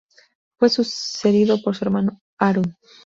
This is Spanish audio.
Fue sucedido por su hermano, Harun.